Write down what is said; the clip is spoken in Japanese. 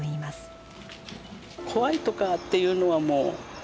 怖いとかっていうのはもう。